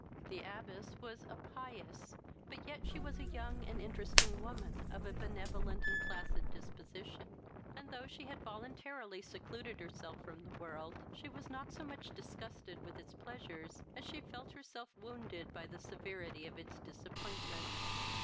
The abbess was a pious, but yet she was a young and interesting woman, of a benevolent and placid disposition; and, though she had voluntarily secluded herself from the world, she was not so much disgusted with its pleasures as she felt herself wounded by the severity of its disappointments.